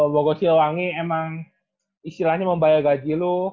bogosi lewangi emang istilahnya membayar gaji lu